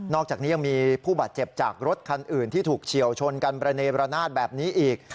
อกจากนี้ยังมีผู้บาดเจ็บจากรถคันอื่นที่ถูกเฉียวชนกันประเนบรนาศแบบนี้อีก